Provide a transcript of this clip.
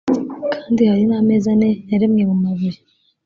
kandi hari n ameza ane yaremwe mu mabuye